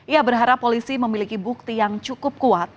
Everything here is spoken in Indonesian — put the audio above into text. ia berharap polisi memiliki bukti yang cukup kuat